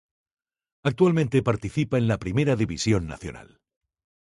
Actualmente participa en la Primera División Nacional.